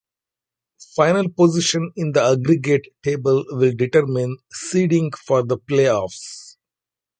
Final position in the aggregate table will determine seeding for the playoffs.